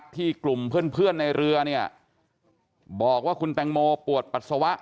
กลุ่มเพื่อนในเรือเนี่ยบอกว่าคุณแตงโมปวดปัสสาวะ